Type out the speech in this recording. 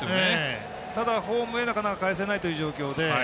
ただ、ホームへなかなかかえせないという状況で。